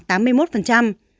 đều là f không chịu chứng